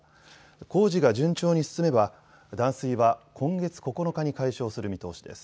工事が順調に進めば断水は今月９日に解消する見通しです。